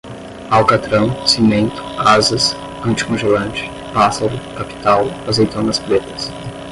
alcatrão, cimento, asas, anticongelante, pássaro, capital, azeitonas pretas